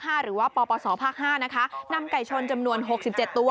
หรือว่าปปศภาค๕นะคะนำไก่ชนจำนวน๖๗ตัว